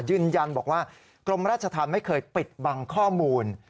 ยืนยันบอกว่ากรมราชธรรมไม่เคยปิดบังข้อมูล